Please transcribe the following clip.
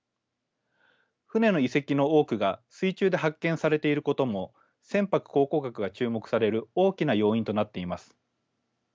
船の遺跡の多くが水中で発見されていることも船舶考古学が注目される大きな要因となっています。